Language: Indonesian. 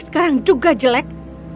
sekarang juga jelek